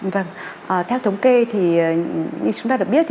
vâng theo thống kê thì như chúng ta đã biết